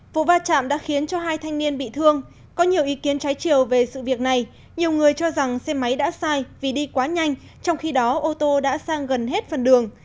vụ va chạm đã khiến cho hai thanh niên bị thương có nhiều ý kiến trái chiều về sự việc này nhiều người cho rằng xe máy đã sai vì đi quá nhanh trong khi đó ô tô đã sang gần hết phần đường